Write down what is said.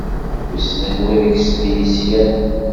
Wissen anwa deg-sen i yeslan?